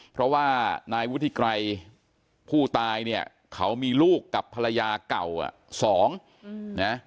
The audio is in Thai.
เพราะว่านายวุฒิไกรผู้ตายเนี่ยเขามีลูกกับภรรยาเก่าสองนะ